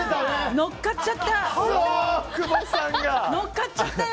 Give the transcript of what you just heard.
乗っかっちゃったよ！